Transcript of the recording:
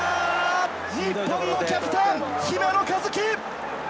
日本のキャプテン、姫野和樹！